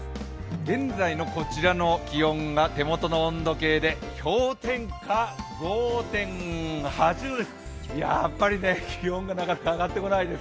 現在のこちらの気温が手元の温度計で氷点下５．８度です。